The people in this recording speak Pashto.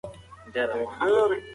هغه کتابونه چې ګټور دي پیدا کړئ.